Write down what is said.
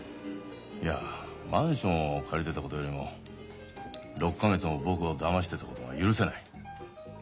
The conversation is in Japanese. いやマンションを借りてたことよりも６か月も僕をだましてたことが許せない。